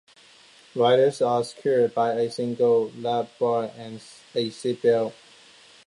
Riders are secured by a single lap bar and a seat belt.